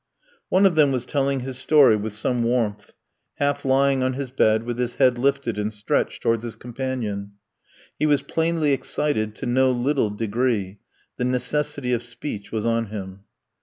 One of them was telling his story with some warmth, half lying on his bed, with his head lifted and stretched towards his companion. He was plainly excited to no little degree; the necessity of speech was on him.